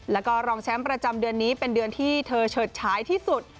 แล้วก็รองแชมป์ประจำเดือนนี้เป็นเดือนที่เธอเฉิดฉายที่สุด